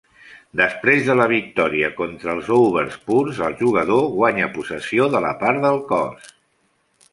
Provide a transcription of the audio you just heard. Després de la victòria contra els overspores, el jugador guanya possessió de la part del cos.